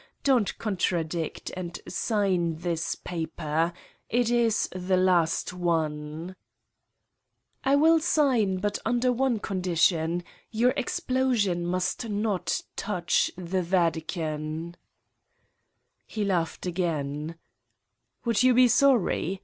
Don't contradict, and sign this paper. It is the last one." 194 Satan's Diary 1 i I will sign, but under one condition. Your ex plosion must not touch the Vatican/' He laughed again :" Would you be sorry?